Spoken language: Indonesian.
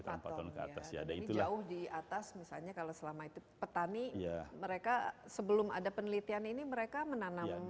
jadi jauh di atas misalnya kalau selama itu petani mereka sebelum ada penelitian ini mereka menanam varietas apa